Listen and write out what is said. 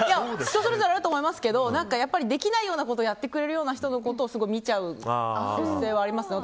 人それぞれあると思いますけどできないようなことをやってくれるような人のことをすごい見ちゃう姿勢はありますね